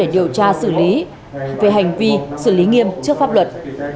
để điều tra xử lý về hành vi xử lý nghiêm trước pháp luật